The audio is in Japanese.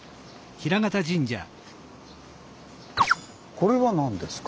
これは何ですか？